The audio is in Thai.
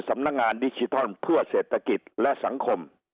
สำนักงานดิจิทัลเพื่อเศรษฐกิจและสังคม